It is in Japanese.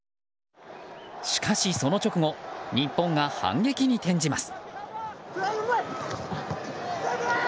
しかしその直後日本が反撃に転じます。